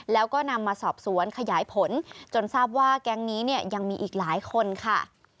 แล้วก็นำมาสอบสวนขยายผลจนทราบว่าแก๊งนี้เนี่ยยังมีอีกหลายคนค่ะ